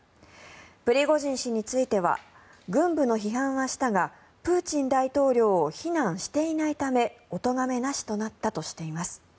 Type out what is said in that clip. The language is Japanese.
プリゴジン氏については軍部の批判はしたがプーチン大統領を非難していないためおとがめなしとなったとしています。